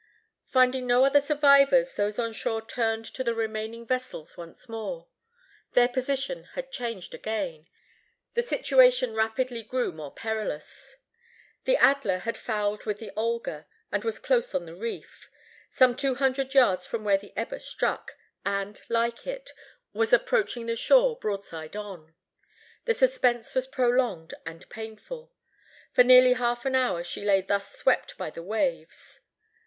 Finding no other survivors, those on shore turned to the remaining vessels once more. Their position had changed again. The situation rapidly grew more perilous. The Adler had fouled with the Olga, and was close on the reef, some two hundred yards from where the Eber struck, and like it, was approaching the shore broadside on. The suspense was prolonged and painful. For nearly half an hour she lay thus swept by the waves.